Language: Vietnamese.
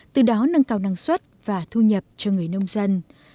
từ đó nâng cao năng suất và thu nhập cho người nông dân